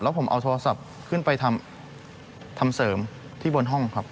ผมเอาโทรศัพท์ขึ้นไปทำเสริมที่บนห้องครับ